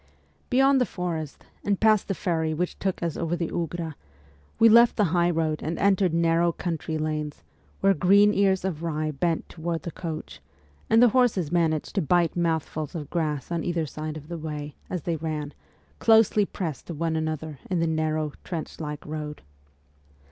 Beyond the forest, and past the ferry which took us over the Ugra, we left the high road and entered narrow country lanes, where green ears of rye bent toward the coach, and the horses managed to bite mouthfuls of grass on either side of the way, as they ran, closely pressed to one another in the narrow, trenchlike road.